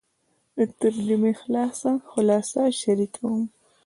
د ترجمې خلاصه شریکه کړم.